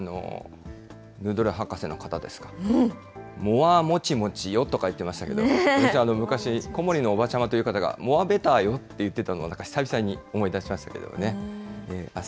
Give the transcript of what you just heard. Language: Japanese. ヌードル博士の方ですか、モア・もちもちよとか言ってましたけど、実は昔、小森のおばちゃまという方がモア・ベターよって言ってたのを、なんか久々に思い出しましたけれどもね。